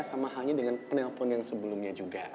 sama halnya dengan penelpon yang sebelumnya juga